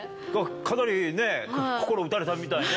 かなり心打たれたみたいね。